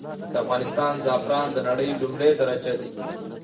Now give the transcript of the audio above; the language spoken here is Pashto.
د افغانستان زعفران د نړې لمړی درجه دي.